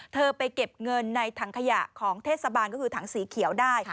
เธอไปเก็บเงินในถังขยะของเทศบาลก็คือถังสีเขียวได้